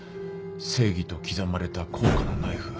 正義と刻まれた高価なナイフ。